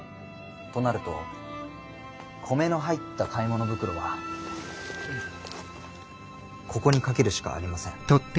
となると米の入った買い物袋はここにかけるしかありません。